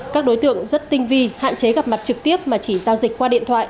các đối tượng rất tinh vi hạn chế gặp mặt trực tiếp mà chỉ giao dịch qua điện thoại